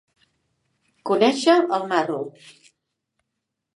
Conèixer el marro.